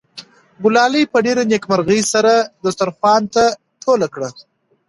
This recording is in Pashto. ګلالۍ په ډېرې نېکمرغۍ سره دسترخوان ټول کړ.